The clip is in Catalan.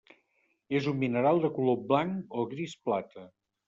És un mineral de color blanc o gris plata.